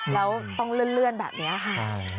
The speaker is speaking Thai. แล้วต้องเลื่อนแบบนี้ค่ะ